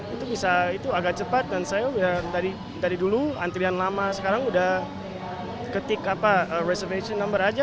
itu bisa itu agak cepat dan saya dari dulu antrian lama sekarang udah ketik apa reservation number aja